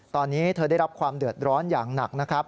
ตอนนี้เธอได้รับความเดือดร้อนอย่างหนักนะครับ